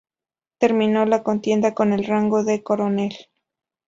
Terminó la contienda con el rango de coronel.